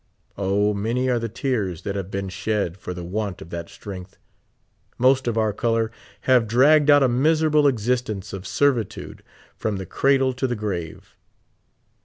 O, many are the tears that have been shed for the want of that strength ! Most of our color have dragged out a miserable existence of servi tude from the cradle to the grave.